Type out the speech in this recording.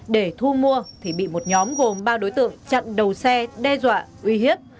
để thu mua thì bị một nhóm gồm ba đối tượng chặn đầu xe đe dọa uy hiếp